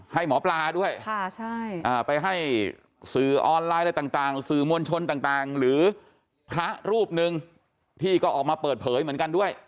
ให้หมอปลาด้วยไปให้สื่อออนไลน์อะไรต่างสื่อมวลชนต่างหรือพระรูปหนึ่งที่ก็ออกมาเปิดเผยเหมือนกันด้วย